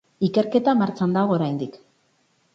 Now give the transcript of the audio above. Ikerketa martxan dago oraindik.